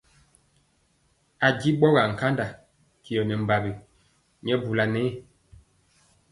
A jwi ɓɔgaa nkanda tyɔ nɛ mbawi nyɛ bula nɛ.